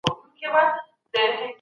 سوله تر جګړې ارامه ده.